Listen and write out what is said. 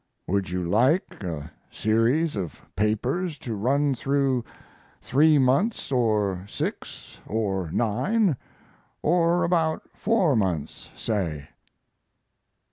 Would you like a series of papers to run through three months or six or nine or about four months, say?